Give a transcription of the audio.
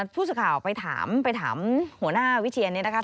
ผู้สุข่าวไปถามหัวหน้าวิเชียร์นี้นะคะ